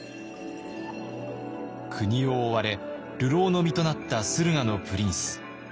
国を追われ流浪の身となった駿河のプリンス。